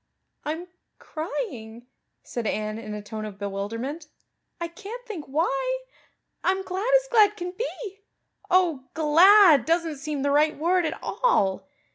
"I'm crying," said Anne in a tone of bewilderment. "I can't think why. I'm glad as glad can be. Oh, glad doesn't seem the right word at all.